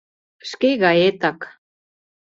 Шке гаетак...